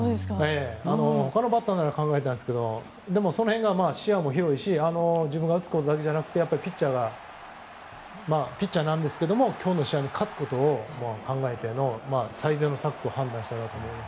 他のバッターなら考えてるんですけどその辺も視野が広いし自分が打つことだけじゃなくてピッチャーなんですけども今日の試合に勝つことを考えて最善の策と判断したんだと思います。